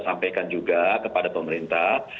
sampaikan juga kepada pemerintah